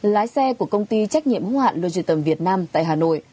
lái xe của công ty trách nhiệm hóa hạn logitum việt nam tại hà nội